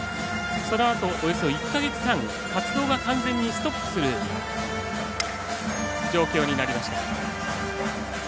そのあと、およそ１か月半活動が完全にストップする状況になりました。